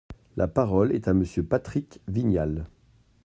La parole est à Monsieur Patrick Vignal.